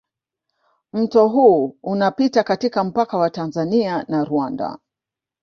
mto huu unapita katika mpaka wa Tanzania na Rwanda